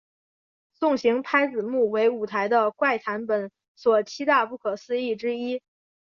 送行拍子木为舞台的怪谈本所七大不可思议之一。